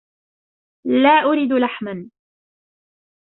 لا أريد لحما.